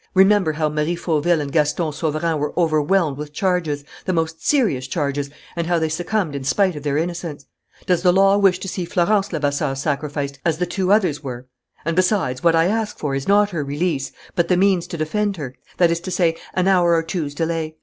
Remember how Marie Fauville and Gaston Sauverand were overwhelmed with charges, the most serious charges, and how they succumbed in spite of their innocence. "Does the law wish to see Florence Levasseur sacrificed as the two others were? And, besides, what I ask for is not her release, but the means to defend her that is to say, an hour or two's delay.